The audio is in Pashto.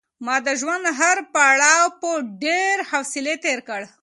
ما د ژوند هر پړاو په ډېرې حوصلې تېر کړ.